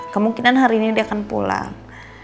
kemungkinan hari ini dia akan pulang